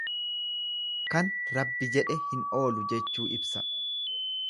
Kan Rabbi jedhe hin oolu jechuu ibsa.